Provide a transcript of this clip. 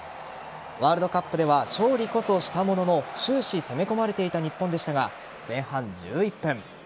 ワールドカップでは勝利こそしたものの終始、攻め込まれていた日本でしたが前半１１分。